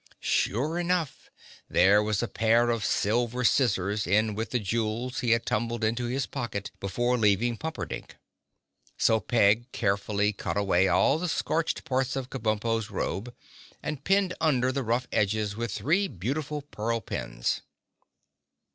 Sure enough, there was a pair of silver scissors in with the jewels he had tumbled into his pocket before leaving Pumperdink. So Peg carefully cut away all the scorched part of Kabumpo's robe and pinned under the rough edges with three beautiful pearl pins.